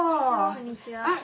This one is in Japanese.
こんにちは。